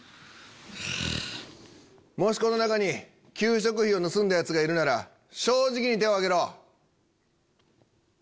もしこの中に給食費を盗んだヤツがいるなら正直に手を挙げろ。